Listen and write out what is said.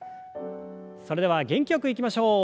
それでは元気よくいきましょう。